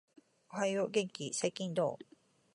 おはよう、元気ー？、最近どう？？